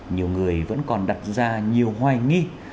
nhiều người vẫn còn đặt ra nhiều hoài nghi